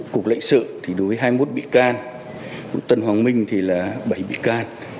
cục lệnh sự đối với hai mươi một bị can tân hoàng minh là bảy bị can